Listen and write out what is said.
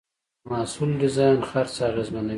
د محصول ډیزاین د خرڅ اغېزمنوي.